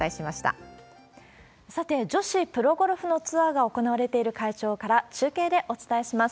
さて、女子プロゴルフのツアーが行われている会場から中継でお伝えします。